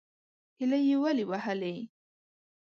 _هيلۍ يې ولې وهلې؟